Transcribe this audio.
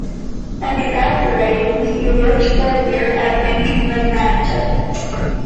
After graduating, he worked for a year at Bank Menatep.